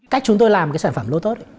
cách chúng tôi làm sản phẩm lotus